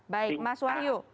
baik mas wanyu